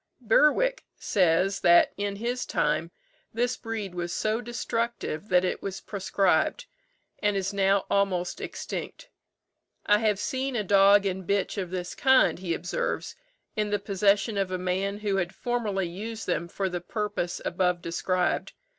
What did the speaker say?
Bewick says that in his time this breed was so destructive that it was proscribed, and is now almost extinct. "I have seen a dog and bitch of this kind," he observes, "in the possession of a man who had formerly used them for the purpose above described.